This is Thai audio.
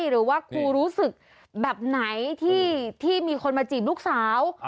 หรือว่าครูรู้สึกแบบไหนที่มีคนมาจีบลูกสาว